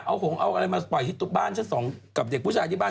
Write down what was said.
เอาหงเอาอะไรมาปล่อยดูบ้านส่องกับเด็กผู้ชายดีบ้าน